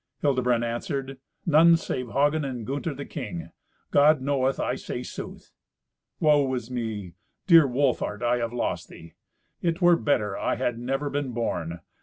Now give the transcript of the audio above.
Hildebrand answered, "None save Hagen, and Gunther, the king. God knoweth I say sooth." "Woe is me, dear Wolfhart, if I have lost thee! It were better I had never been born.